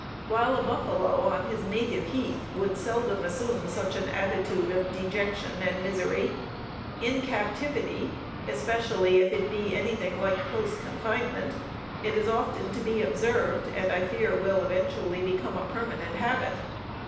While a buffalo on his native heath would seldom assume such an attitude of dejection and misery, in captivity, especially if it be anything like close confinement, it is often to be observed, and I fear will eventually become a permanent habit.